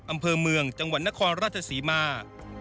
อำเภอเมืองจังหวัดนครราชศรีมา